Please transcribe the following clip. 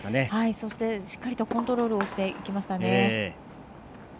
そして、しっかりとコントロールしていきましたね。